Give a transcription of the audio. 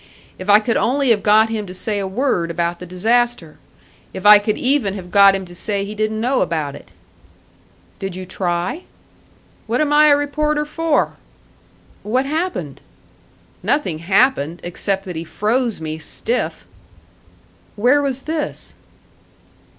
If I could only have got him to say a word about the disaster! If I could even have got him to say he didn't know about it!" "Did you try?" "What am I a reporter for?" "What happened?" "Nothing happened; except that he froze me stiff." "Where was this?"